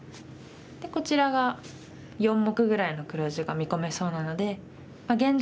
でこちらが４目ぐらいの黒地が見込めそうなので現状